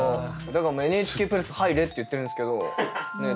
だからＮＨＫプラス入れって言ってるんですけど。